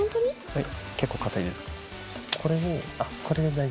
はい。